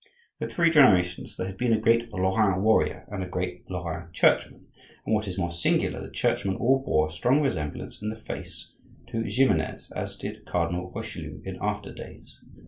For three generations there had been a great Lorrain warrior and a great Lorrain churchman; and, what is more singular, the churchmen all bore a strong resemblance in the face to Ximenes, as did Cardinal Richelieu in after days.